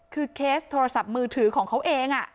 คือเคสโทรศัพท์มือถือของเขาเอง